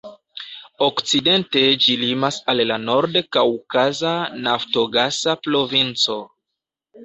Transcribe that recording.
Okcidente ĝi limas al la Nord-Kaŭkaza naftogasa provinco.